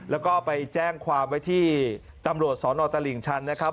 แล้วก็ไปแจ้งความไว้ที่ตำรวจสนตลิ่งชันนะครับ